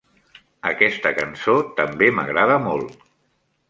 Aquesta cançó també m'agrada molt.